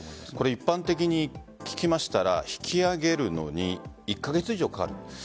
一般的に聞きましたら引き揚げるのに１カ月以上かかる。